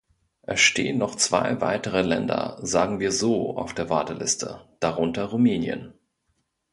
Es stehen noch zwei weitere Länder, sagen wir so, auf der Warteliste, darunter Rumänien.